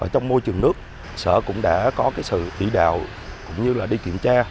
trong môi trường nước sở cũng đã có sự chỉ đạo cũng như là đi kiểm tra